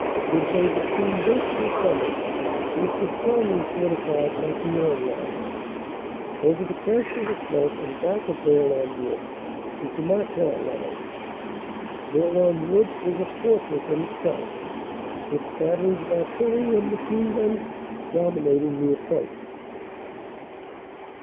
Midway between this and the summit is the strongly fortified Marquion line. Over the crest of the slope and back of Bourlon Wood is the Mar coing line. Bourlon Wood is a fortress in itself, its batteries of artillery and machine guns dominating the approach.